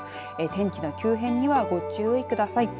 天気の急変にはご注意ください。